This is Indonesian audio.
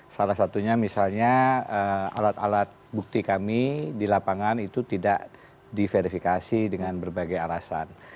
salah satunya misalnya alat alat bukti kami di lapangan itu tidak diverifikasi dengan berbagai alasan